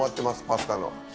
パスタの。